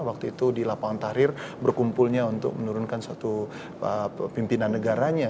waktu itu di lapangan tahrir berkumpulnya untuk menurunkan satu pimpinan negaranya